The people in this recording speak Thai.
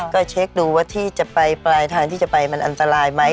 ก็เช็คดูว่าที่จะไปปลายทางที่จะไปมันอันตรายไหม